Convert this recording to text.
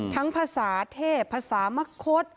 ทั้งภาษาเทพภาษามะคด